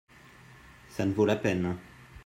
ça ne vaut la peine.